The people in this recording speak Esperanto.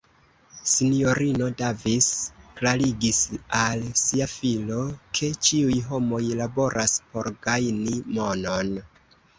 S-ino Davis klarigis al sia filo, ke ĉiuj homoj laboras por gajni monon.